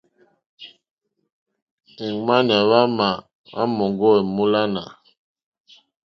Ìŋwánà wà má òŋɡô múlánà.